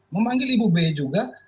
memanggil ibu b juga